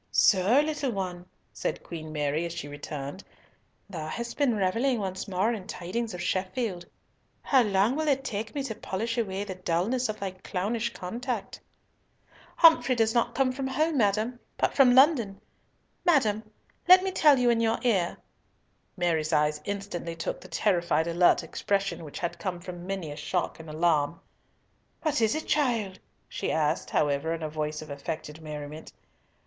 "So, little one," said Queen Mary, as she returned, "thou hast been revelling once more in tidings of Sheffield! How long will it take me to polish away the dulness of thy clownish contact?" "Humphrey does not come from home, madam, but from London. Madam, let me tell you in your ear—" Mary's eye instantly took the terrified alert expression which had come from many a shock and alarm. "What is it, child?" she asked, however, in a voice of affected merriment.